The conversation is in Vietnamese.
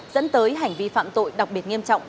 dẫn tới hành vi phạm tội đặc biệt nghiêm trọng